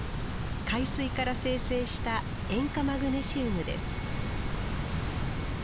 海水から精製した塩化マグネシウムです